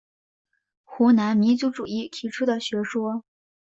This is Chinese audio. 湖南民族主义提出的学说。